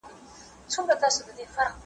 جهاني ما خو قاصد ور استولی ,